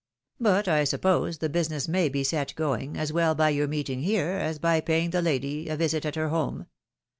But I suppose the business may be set going, as well by your meeting here, as by paying the lady a visit at her home.